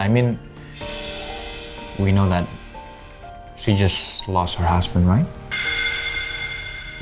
maksud aku kita tahu bahwa dia baru saja kehilangan suami kan